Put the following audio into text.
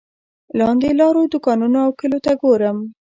لاندې لارو دوکانونو او کلیو ته ګورم.